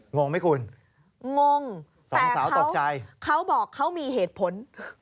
งงไหมคุณงงสองสาวตกใจเขาบอกเขามีเหตุผล